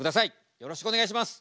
よろしくお願いします。